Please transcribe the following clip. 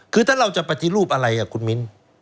คือถ้าเราจะปฏิรูปอะไรคุณมิ้น